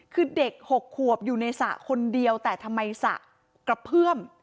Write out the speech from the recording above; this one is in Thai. คือเด็ก๖ขวบอยู่ในสระคนเดียวแต่ทำไมสระกระเพื่อม